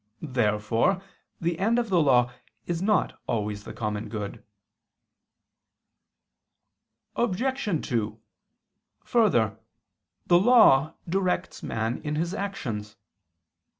Therefore the end of the law is not always the common good. Obj. 2: Further, the law directs man in his actions.